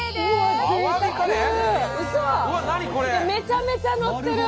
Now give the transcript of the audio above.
めちゃめちゃのってる！